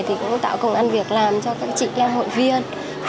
thì cũng tạo công an việc làm cho các chị em hội viên